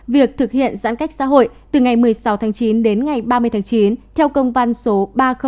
việc thực hiện giãn cách xã hội từ ngày một mươi sáu chín đến ngày ba mươi chín theo công văn số ba nghìn bảy mươi hai